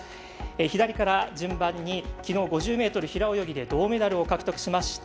左から順番にきのう５０ｍ平泳ぎで銅メダルを獲得しました。